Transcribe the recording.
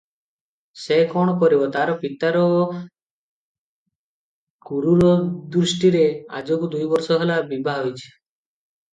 ସେ କଣ କରିବ ତାର ପିତାର କ୍ରୁରଦୃଷ୍ଟିରେ ଆଜକୁ ଦୁଇବର୍ଷ ହେଲା ବିଭା ହୋଇଚି ।